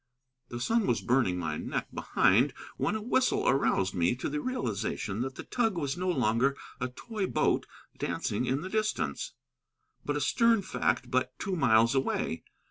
The sun was burning my neck behind when a whistle aroused me to the realization that the tug was no longer a toy boat dancing in the distance, but a stern fact but two miles away.